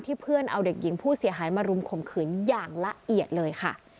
เพื่อนเอาเด็กหญิงผู้เสียหายมารุมข่มขืนอย่างละเอียดเลยค่ะ